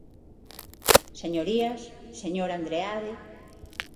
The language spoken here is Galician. Señorías, señor Andreade.